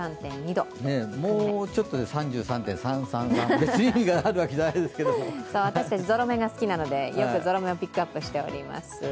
もうちょっとで３３．３３私たち、ぞろ目が好きなので、よくぞろ目をピックアップしております。